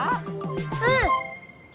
うん！